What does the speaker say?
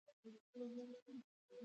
په لرغونې زمانه کې منظمې بندیخانې نه وې.